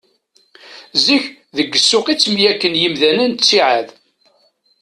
Zik, deg ssuq i ttemyakken yimdanen ttiɛad.